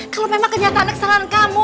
kalau memang kenyataannya kesalahan kamu